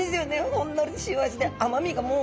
ほんのり塩味で甘みがもうすギョい。